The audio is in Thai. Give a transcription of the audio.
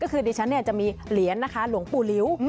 ก็คือดิฉันจะมีเหรียญนะคะหลวงปู่ลิว